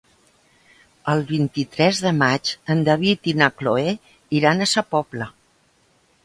El vint-i-tres de maig en David i na Cloè iran a Sa Pobla.